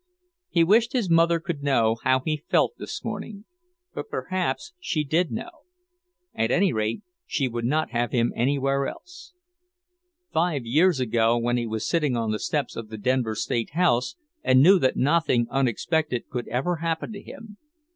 He wished his mother could know how he felt this morning. But perhaps she did know. At any rate, she would not have him anywhere else. Five years ago, when he was sitting on the steps of the Denver State House and knew that nothing unexpected could ever happen to him...